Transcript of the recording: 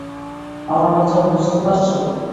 আমার কথা বুঝতে পারছ?